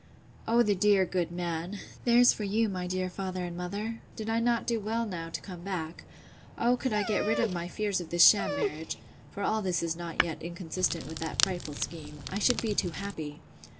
O the dear good man! There's for you, my dear father and mother!—Did I not do well now to come back?—O could I get rid of my fears of this sham marriage, (for all this is not yet inconsistent with that frightful scheme,) I should be too happy!